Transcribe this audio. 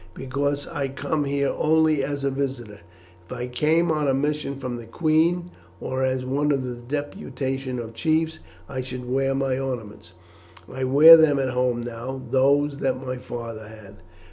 "Because I come here only as a visitor. If I came on a mission from the queen, or as one of a deputation of chiefs, I should wear my ornaments. I wear them at home now, those that my father had."